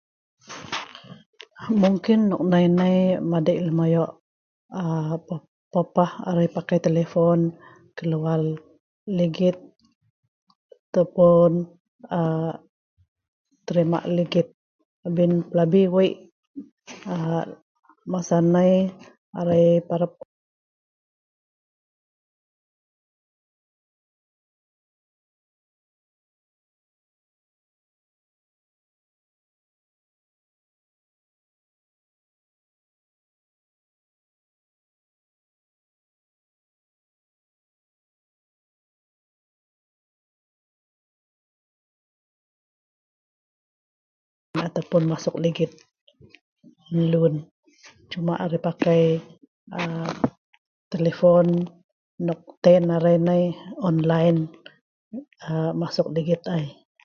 mungkin nok nai nei madik lem ayok aa papah arai pakai telepon keluar ligit ataupun aa terima ligit abin plabi weik aa masa nai arai parap mat ataupun masuk ligit lun cuma arai pakai aa telepon nok ten arai nai online aa masuk ligit ai